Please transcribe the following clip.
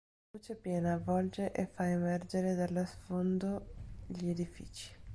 Una luce piena avvolge e fa emergere dallo sfondo gli edifici.